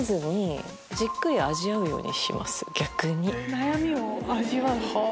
悩みを味わう？